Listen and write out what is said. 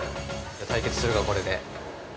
対決するか、これで。